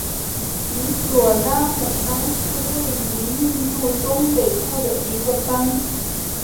米佐拉姆邦是位于印度东北部的一个邦。